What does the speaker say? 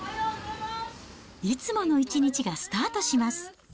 いつもの一日がスタートします。